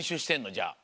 じゃあ。